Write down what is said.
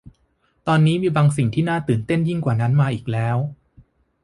ตอนนี้มีบางสิ่งที่น่าตื่นเต้นยิ่งกว่านั้นมาอีกแล้ว